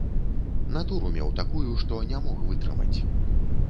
Натуру меў такую, што не мог вытрымаць.